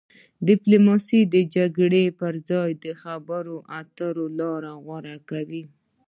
ډیپلوماسي د جګړې پر ځای د خبرو اترو لاره غوره کوي.